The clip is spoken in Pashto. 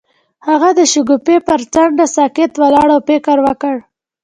هغه د شګوفه پر څنډه ساکت ولاړ او فکر وکړ.